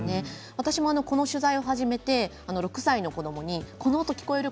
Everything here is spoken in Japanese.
私もこの取材を始めて６歳の子どもにこの音、聞こえる？